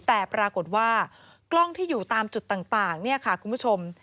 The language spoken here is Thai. แต่ปรากฏว่ากล้องที่อยู่ตามจุดต่างเนี่ยค่ะคุณผู้ชม